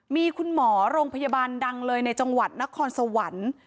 มีคุณหมอโรงพยาบาลดังเลยในจังหวัดนครสวรรค์